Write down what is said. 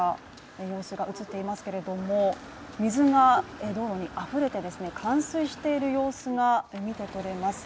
様子が映っていますけども水が道路にあふれて冠水している様子が見てとれます。